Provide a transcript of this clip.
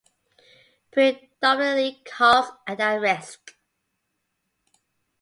Predominantly calves are at risk.